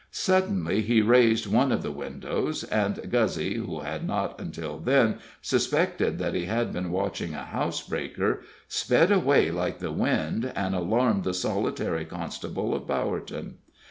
Suddenly he raised one of the windows, and Guzzy, who had not until then suspected that he had been watching a house breaker, sped away like the wind and alarmed the solitary constable of Bowerton.